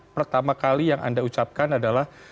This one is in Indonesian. pertama kali yang anda ucapkan adalah